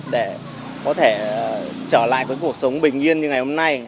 để có thể trở lại với cuộc sống bình yên như ngày hôm nay